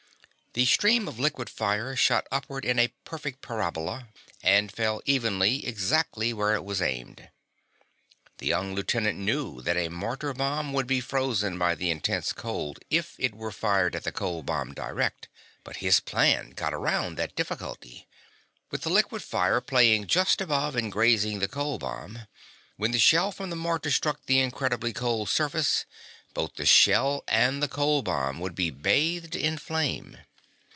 The stream of liquid fire shot upward in a perfect parabola, and fell evenly, exactly, where it was aimed. The young lieutenant knew that a mortar bomb would be frozen by the intense cold if it were fired at the cold bomb direct, but his plan got around that difficulty. With the liquid fire playing just above and grazing the cold bomb, when the shell from the mortar struck the incredibly cold surface, both the shell and the cold bomb would be bathed in flame.